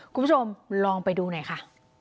คุณผู้ชมลองไปดูหน่อยค่ะ